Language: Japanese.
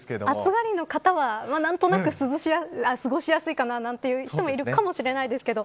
暑がりの方は何となく過ごしやすいかななんていう人もいるかもしれないですけど